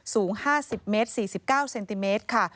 สูง๕๐เมตร๔๙เซนติเมตรค่ะ